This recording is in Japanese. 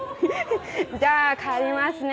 じゃあ帰りますね